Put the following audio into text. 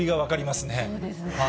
そうですね。